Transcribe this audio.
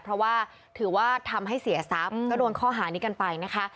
เพราะว่าถือว่าทำให้เสียทรัพย์ก็โดนข้อหานี้กันไปนะคะ